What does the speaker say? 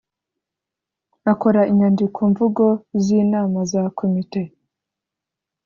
akora inyandiko mvugo z inama za Komite